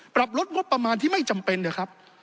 ปรับลดงบประมาณที่ไม่จำเป็นนะครับ